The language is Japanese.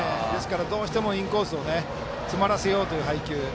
どうしてもインコースを詰まらせようという配球。